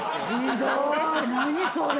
何それ？